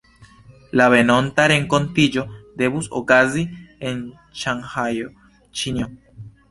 La venonta renkontiĝo devus okazi en Ŝanhajo, Ĉinio.